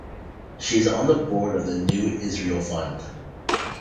She is on the board of the New Israel Fund.